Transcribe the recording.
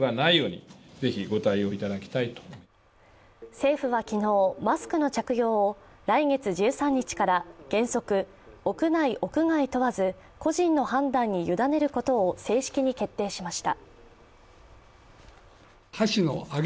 政府は昨日マスクの着用を来月１３日から原則、屋内・屋外問わず個人の判断に委ねることを正式に決定しました。